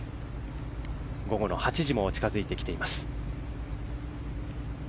午後の８次も近づいています。